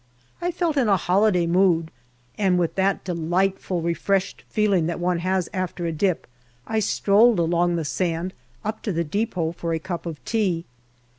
I felt in holiday mood, and with that delightful refreshed feeling that one has after a dip, I strolled along the sand up to the depot for a cup of tea.